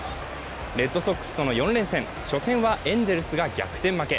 レッドソックスとの４連戦、初戦はエンゼルスが逆転負け。